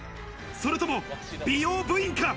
それとも美容部員か？